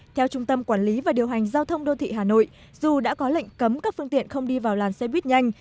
theo trung tâm quản lý và điều hành giao thông đô thị hà nội dù đã có lệnh cấm các phương tiện không đi vào làn xe buýt nhanh